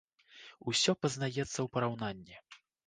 Усё пазнаецца ў параўнанні.